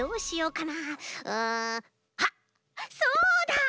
うんあっそうだ！